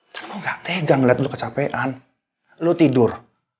dan gue gak tegang liat lo kecapean lo tidur